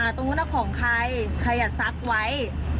ตรงนู้นน่ะของใครใครอย่าซักไว้